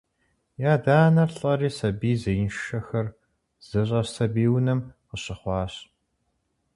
И адэ-анэр лӏэри сабий зеиншэхэр здыщӏэс «сабий унэм» къыщыхъуащ.